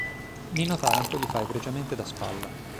Nino Taranto gli fa egregiamente da spalla".